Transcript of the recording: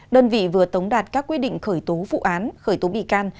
đơn vị vừa tống đạt các quyết định khởi tố vụ án khởi tố bị can